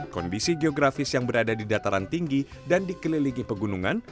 kondisi geografis yang berada di dataran tinggi dan dikelilingi pegunungan